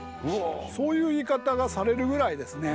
そういう言い方がされるぐらいですね